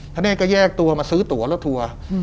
ทัเนศก็แยกตัวมาซื้อตั๋วละทัวว์